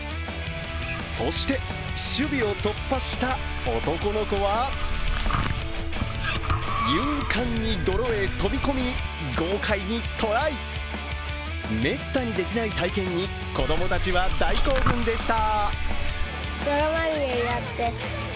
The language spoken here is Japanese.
そして、守備を突破した男の子は勇敢に泥へ飛び込み、豪快にトライめったにできない体験に子供たちは大興奮でした。